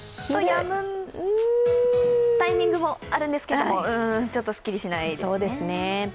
やむタイミングもあるんですけど、すっきりしないですね。